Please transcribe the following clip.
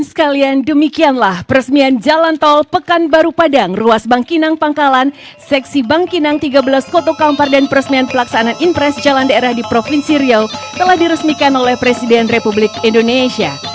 sekalian demikianlah peresmian jalan tol pekanbaru padang ruas bangkinang pangkalan seksi bangkinang tiga belas koto kampar dan peresmian pelaksanaan impres jalan daerah di provinsi riau telah diresmikan oleh presiden republik indonesia